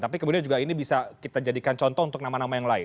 tapi kemudian juga ini bisa kita jadikan contoh untuk nama nama yang lain